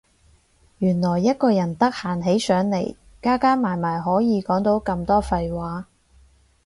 原來一個人得閒起上嚟加加埋埋可以講到咁多廢話